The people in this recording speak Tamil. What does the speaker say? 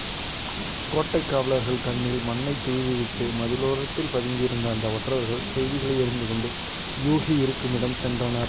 கோட்டைக் காவலர்கள் கண்ணில் மண்ணைத் தூவிவிட்டு மதிலோரத்தில் பதுங்கியிருந்த அந்த ஒற்றர்கள் செய்திகளை யறிந்துகொண்டு யூகி இருக்குமிடம் சென்றனர்.